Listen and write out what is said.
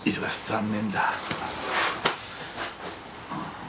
残念だ。